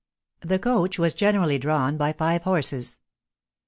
The coach was generally drawn by five horses.